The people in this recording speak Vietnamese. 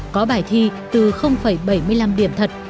có bài thi từ bảy mươi năm điểm thật